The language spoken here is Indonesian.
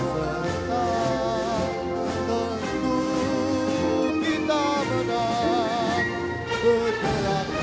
pemenangan peleg dan pilpres dua ribu dua puluh empat